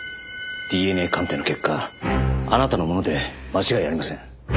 ＤＮＡ鑑定の結果あなたのもので間違いありません。